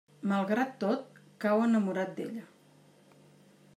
Malgrat tot, cau enamorat d'ella.